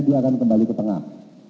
dia akan kembali ke tengah